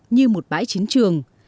như một bãi chiến trường